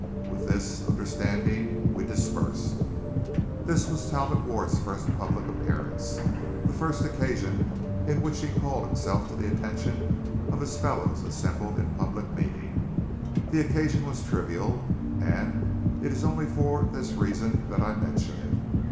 With this understanding we dispersed. This was Talbot Ward's first public appearance; the first occasion in which he called himself to the attention of his fellows assembled in public meeting. The occasion was trivial, and it is only for this reason that I mention it.